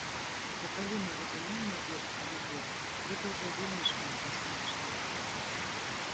Бо калі мы разумеем адзін аднаго, гэта ўжо вельмі шмат на сённяшні дзень.